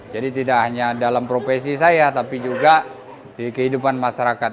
jadi tidak hanya dalam profesi saya tapi juga di kehidupan masyarakat